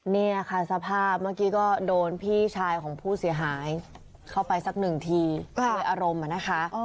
นี่ค่ะสภาพเมื่อกี้ก็โดนพี่ชายของผู้เสียหายเข้าไปสักหนึ่งทีด้วยอารมณ์นะคะ